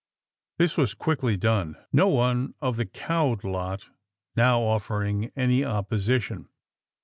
This was quickly done, no one of the cowed lot now offering any opposition.